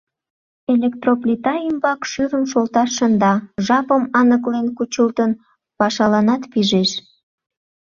Электроплита ӱмбак шӱрым шолташ шында, жапым аныклен кучылтын, пашаланат пижеш.